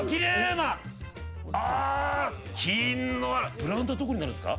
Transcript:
ブランドはどこになるんすか？